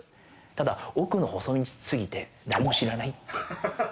ただ、奥の細道すぎて誰も知らない。